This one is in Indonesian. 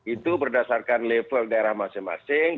itu berdasarkan level daerah masing masing